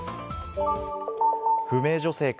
不明女性か？